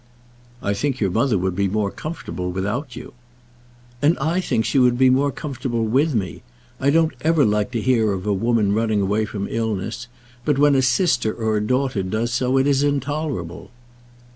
"I think your mother would be more comfortable without you." "And I think she would be more comfortable with me. I don't ever like to hear of a woman running away from illness; but when a sister or a daughter does so, it is intolerable."